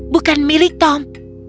bukan milik tom